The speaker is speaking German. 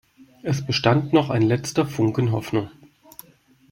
Es bestand noch ein letzter Funken Hoffnung.